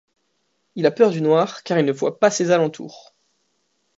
Il a peur du noir car il ne voie pas ses alentour.